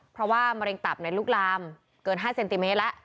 เพราะว่ามะเร็งตับลุกลามเกิน๕เซนติเมตรแล้ว